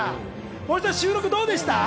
森さん、収録いかがでした？